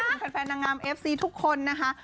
เป็นแฟนนางงามเอฟซีทุกคนนะคะ